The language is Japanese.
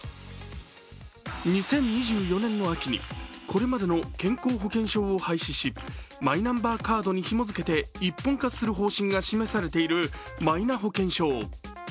２０２４年の秋に、これまでの健康保険証を廃止し、マイナンバーカードにひもづけて一本化する方針が示されているマイナ保険証。